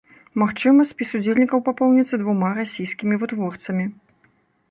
Магчыма, спіс удзельнікаў папоўніцца двума расійскімі вытворцамі.